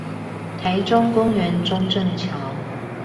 臺中公園中正橋